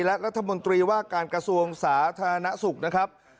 และรัฐมนตรีว่าการกระทรวงสาธารณสุขนะครับ